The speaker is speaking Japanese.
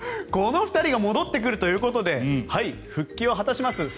この２人が戻ってくるということで復帰を果たします。